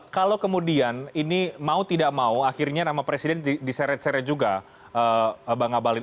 kalau kemudian ini mau tidak mau akhirnya nama presiden diseret seret juga bang abalin